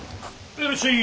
いらっしゃい。